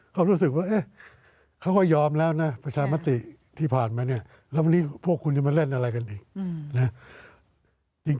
เขารู้สึกว่าเขาก็ยอมแล้วนะประชามติที่ผ่านมาเนี่ยแล้ววันนี้พวกคุณจะมาเล่นอะไรกันอีกนะ